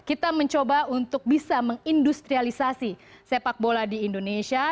kita mencoba untuk bisa mengindustrialisasi sepak bola di indonesia